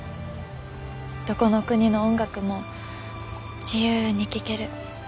どこの国の音楽も自由に聴ける。